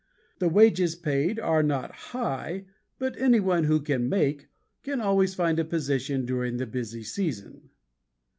The wages paid are not high but anyone who can "make" can always find a position during the busy season.